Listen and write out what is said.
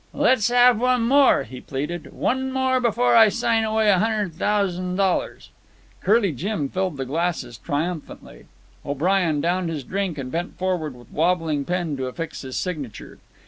"Le's have one more," he pleaded. "One more before I sign away a hundred thousan' dollars." Curly Jim filled the glasses triumphantly. O'Brien downed his drink and bent forward with wobbling pen to affix his signature.